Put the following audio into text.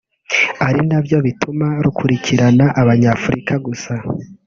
ari nabyo bituma rukurikirana abanyafurika gusa